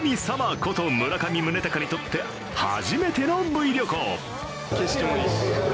こと村上宗隆にとって初めてのＶ旅行。